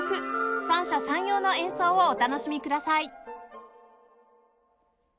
三者三様の演奏をお楽しみください